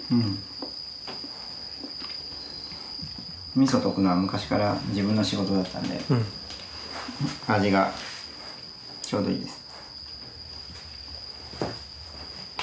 味噌溶くのは昔から自分の仕事だったんで味がちょうどいいです。